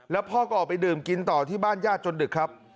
แล้วพ่อก็ออกไปดื่มกินต่อที่บ้านญาติจนดึกครับ